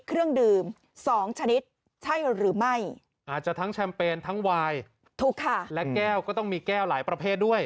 เราก็ต้องมีแก้วหลายประเภทด้วย